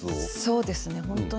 そうですね。